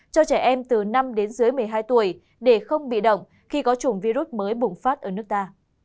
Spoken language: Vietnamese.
cho trẻ em từ năm đến dưới một mươi hai tuổi để không bị động khi có chủng virus mới bùng phát ở nước ta